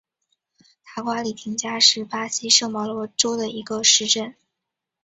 塔夸里廷加是巴西圣保罗州的一个市镇。